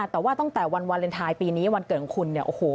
แต่ว่าตั้งแต่วันวาเลนไทยปีนี้วันเกิดของคุณ